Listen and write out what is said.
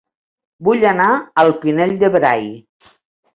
Vull anar a El Pinell de Brai